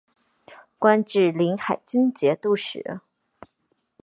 官至临海军节度使。